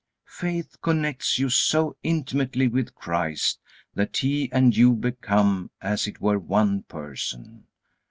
Faith connects you so intimately with Christ, that He and you become as it were one person.